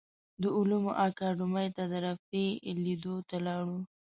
د علومو اکاډیمۍ ته د رفیع لیدو ته لاړو.